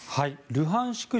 ルハンシク